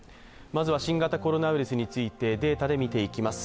まずは新型コロナウイルスについて、データで見ていきます。